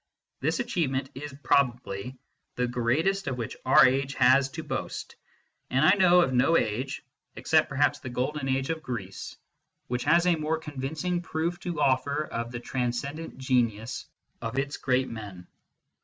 This achieve ment is probably the greatest of which our age has to boast ; and I know of no age (except perhaps the golden 82 MYSTICISM AND LOGIC age oi Sreece) which has a more convincing proof to offer of the transcendent genius of its great men.